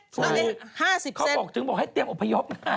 ถูกท่อพวกถึงบอกให้เตรียมอุพยพนะ